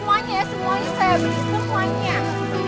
kenapa bungkus cepetan